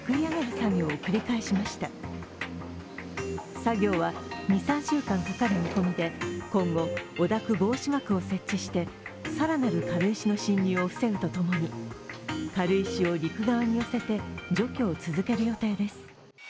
作業は２３週間かかる見込みで、今後、汚濁防止膜を設置して、更なる軽石の侵入を防ぐと共に軽石を陸側に寄せて除去を続ける予定です。